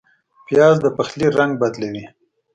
پیاز د پخلي رنګ بدلوي